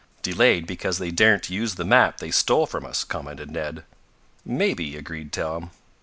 "Delayed because they daren't use the map they stole from us," commented Ned. "Maybe," agreed Tom.